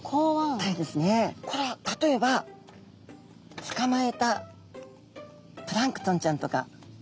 これは例えばつかまえたプランクトンちゃんとか。